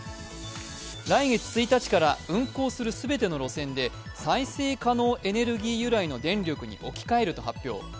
来月１日から運行する全ての路線で再生可能エネルギー由来の電気に置き換えると発表。